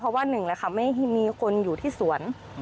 เพราะว่าหนึ่งแหละค่ะไม่มีคนอยู่ที่สวน